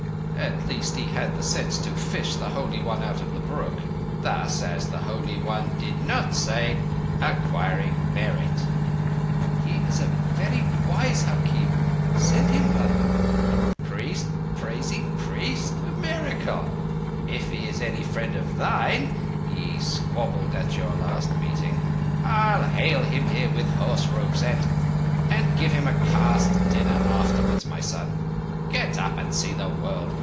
At least he had the sense to fish the Holy One out of the brook; thus, as the Holy One did not say, acquiring merit." "He is a very wise hakim. Send him, mother." "Priest praising priest? A miracle! If he is any friend of thine (ye squabbled at your last meeting) I'll hale him here with horse ropes and—and give him a caste dinner afterwards, my son ... Get up and see the world!